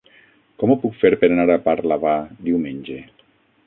Com ho puc fer per anar a Parlavà diumenge?